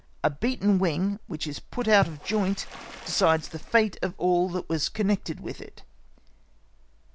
A beaten wing which is put out of joint decides the fate of all that was connected with it.